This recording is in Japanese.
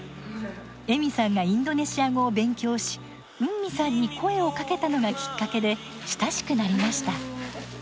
エミさんがインドネシア語を勉強しウンミさんに声をかけたのがきっかけで親しくなりました。